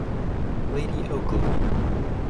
Lady Ogilvy.